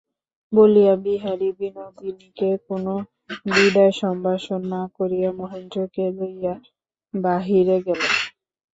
বলিয়া বিহারী বিনোদিনীকে কোনো বিদায়সম্ভাষণ না করিয়া মহেন্দ্রকে লইয়া বাহিরে গেল।